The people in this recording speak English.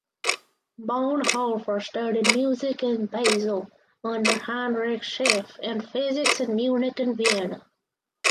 Bonhoeffer studied music in Basle (under Heinrich Schiff) and physics in Munich und Vienna.